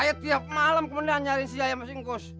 saya tiap malam komandan nyariin si jaya mas ingkus